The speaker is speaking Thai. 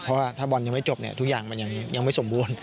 เพราะว่าถ้าบอลยังไม่จบเนี่ยทุกอย่างมันยังไม่สมบูรณ์